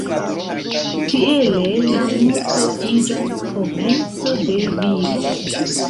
Tiele la morto iĝas komenco de vivo.